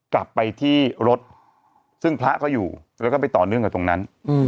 กลับไปที่รถซึ่งพระก็อยู่แล้วก็ไปต่อเนื่องกับตรงนั้น